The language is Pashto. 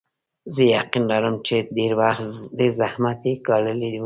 زه یقین لرم چې ډېر زحمت یې ګاللی وي.